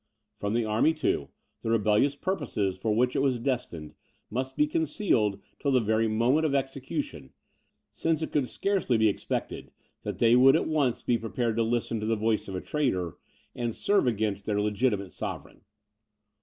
From the army, too, the rebellious purposes for which it was destined, must be concealed till the very moment of execution, since it could scarcely be expected that they would at once be prepared to listen to the voice of a traitor, and serve against their legitimate sovereign.